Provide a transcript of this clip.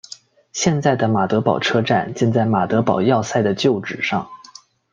现在的马德堡车站建在马德堡要塞的旧址上。